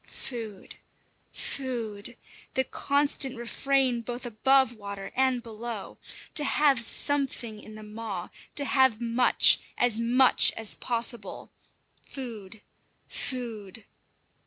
Food! Food! The constant refrain both above water and below. To have something in the maw to have much as much as possible. Food! Food!